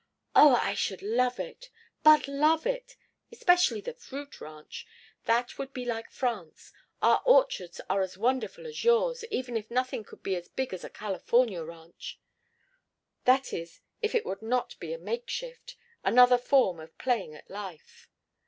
"Oh, I should love it! But love it! Especially the fruit ranch. That would be like France our orchards are as wonderful as yours, even if nothing could be as big as a California ranch "That is, if it would not be a makeshift. Another form of playing at life."